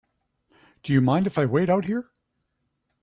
Do you mind if I wait out here?